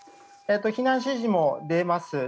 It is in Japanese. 避難指示も出ます。